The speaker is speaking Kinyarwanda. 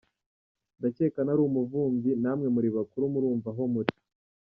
Ndakeka ntari umuvumbyi, namwe muri bakuru murumva aho muri”.